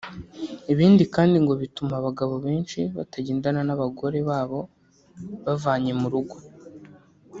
Ibi kandi ngo bituma abagabo benshi batagendana n’abagore babo bavanye mu rugo